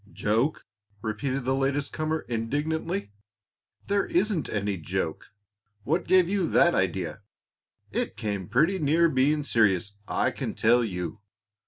"Joke!" repeated the latest comer, indignantly. "There isn't any joke. What gave you that idea? It came pretty near being serious, I can tell you.